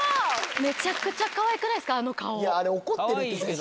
めちゃくちゃかわいくないですかあの顔。